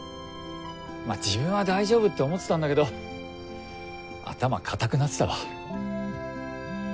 自分は大丈夫って思ってたんだけど頭固くなってたわ。